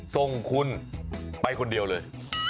ส่งคุณไปคนเดียวเลย